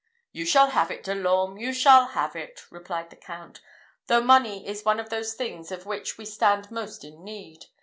"You shall have it, De l'Orme! you shall have it!" replied the Count, "though money is one of those things of which we stand most in need.